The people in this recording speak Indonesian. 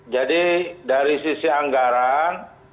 jadi dari sisi anggaran